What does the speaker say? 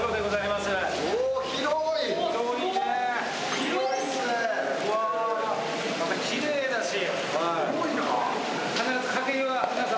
またきれいだし。